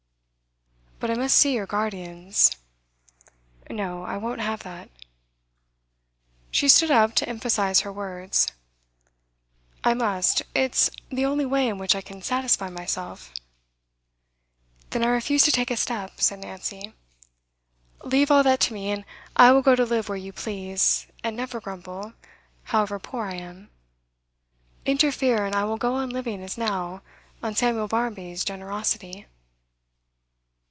'But I must see your guardians.' 'No. I won't have that.' She stood up to emphasise her words. 'I must. It's the only way in which I can satisfy myself ' 'Then I refuse to take a step,' said Nancy. 'Leave all that to me, and I will go to live where you please, and never grumble, however poor I am. Interfere, and I will go on living as now, on Samuel Barmby's generosity.